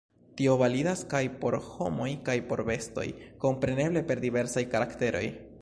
Tio validas kaj por homoj kaj por bestoj, kompreneble per diversaj karakteroj.